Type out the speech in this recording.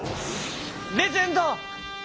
レジェンド！